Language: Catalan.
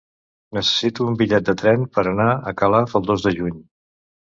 Necessito un bitllet de tren per anar a Calaf el dos de juny.